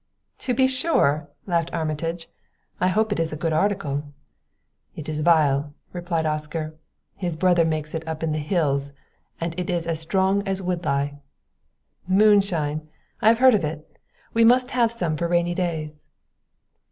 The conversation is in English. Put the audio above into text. "To be sure," laughed Armitage. "I hope it is a good article." "It is vile," replied Oscar. "His brother makes it up in the hills, and it is as strong as wood lye." "Moonshine! I have heard of it. We must have some for rainy days."